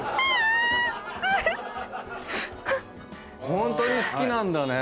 ホントに好きなんだね。